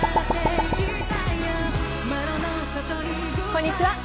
こんにちは。